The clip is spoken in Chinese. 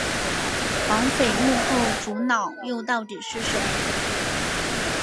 绑匪幕后主脑又到底是谁？